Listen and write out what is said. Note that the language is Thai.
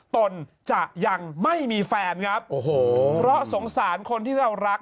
ตนจะยังไม่มีแฟนครับโอ้โหเพราะสงสารคนที่เรารัก